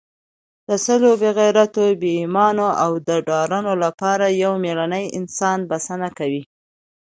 د سلو بې غیرتو، بې ایمانو او ډارنو لپاره یو مېړنی انسان بسنه کوي.